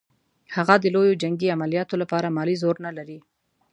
هغه د لویو جنګي عملیاتو لپاره مالي زور نه لري.